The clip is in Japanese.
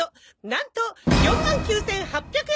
なんと４万９８００円！